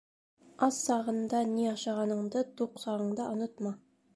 Ас сағында ни ашағаныңды туҡ сағыңда онотма.